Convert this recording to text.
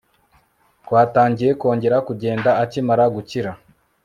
Twatangiye kongera kugenda akimara gukira